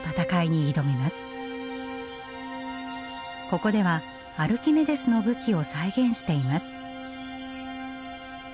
ここではアルキメデスの武器を再現しています。